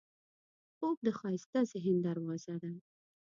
خوب د ښایسته ذهن دروازه ده